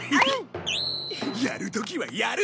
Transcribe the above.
やる時はやる！